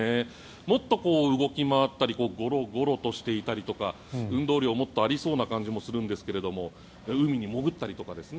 もっと動き回ったりゴロゴロとしていたりとか運動量、もっとありそうな感じもするんですが海に潜ったりとかですね。